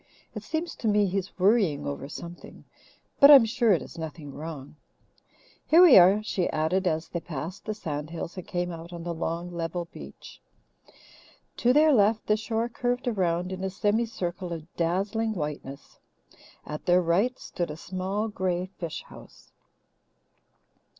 It seems to me he's worrying over something, but I'm sure it is nothing wrong. Here we are," she added, as they passed the sand hills and came out on the long, level beach. To their left the shore curved around in a semi circle of dazzling whiteness; at their right stood a small grey fish house.